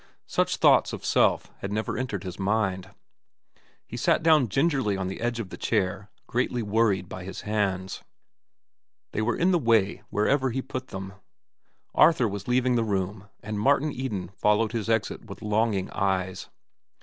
Such thoughts of self had never entered his mind. He sat down gingerly on the edge of the chair, greatly worried by his hands. They were in the way wherever he put them. Arthur was leaving the room, and Martin Eden followed his exit with longing eyes.